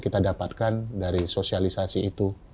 kita dapatkan dari sosialisasi itu